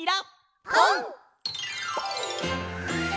「ぽん」！